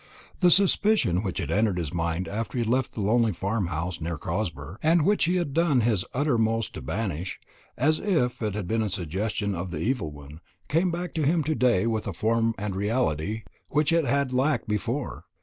The suspicion which had entered his mind after he left the lonely farm house near Crosber, and which he had done his uttermost to banish, as if it had been a suggestion of the evil one, came back to him to day with a form and reality which it had lacked before.